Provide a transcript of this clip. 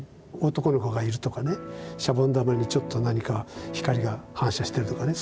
男の子がいるとかねシャボン玉にちょっと何か光が反射してるとかね